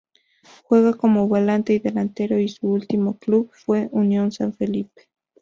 Juega como volante y delantero y su último club fue Unión San Felipe.